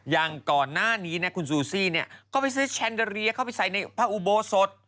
อย่างก่อนหน้านี้นะคุณซูซี่เนี่ยก็ไปซื้อแชนเดอเรียเข้าไปใส่ในพระอุโบสถ